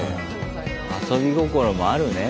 遊び心もあるねぇ。